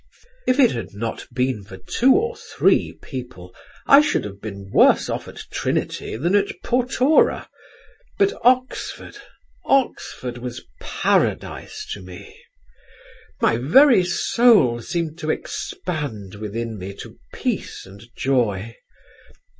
If it had not been for two or three people, I should have been worse off at Trinity than at Portora; but Oxford Oxford was paradise to me. My very soul seemed to expand within me to peace and joy.